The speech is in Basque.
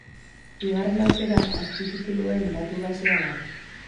Bigarren aukera, azpitituluen datu basea da.